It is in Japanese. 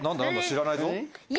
知らないぞ。